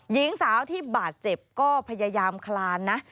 หญิงสาวที่บาดเจ็บก็พยายามคลานนะ